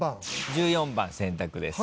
１４番選択です。